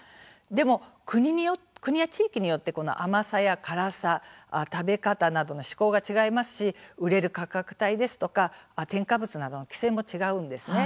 でも国や地域によって甘さや辛さ食べ方などのしこうが違いますし売れる価格帯ですとか添加物などの規制も違うんですね。